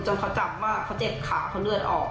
จนเขาจับว่าเขาเจ็บขาเพราะเลือดออก